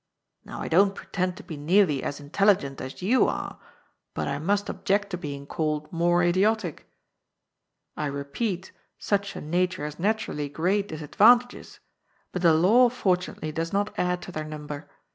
Now I don't pre tend to be nearly as intelligent as you are, but I must object to being called more idiotia I repeat, such a nature has naturally great disadvantages, but the law fortunately does not add to their number.